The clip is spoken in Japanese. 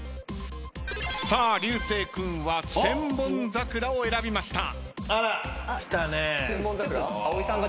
流星君は『千本桜』を選びました。